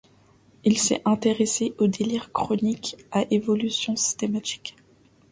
Il s'est intéressé aux délires chroniques à évolution systématique.